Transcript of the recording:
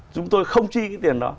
chúng tôi không chi cái tiền đó